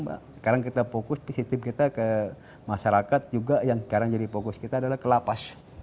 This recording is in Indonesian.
sekarang kita fokus positif kita ke masyarakat juga yang sekarang jadi fokus kita adalah ke lapas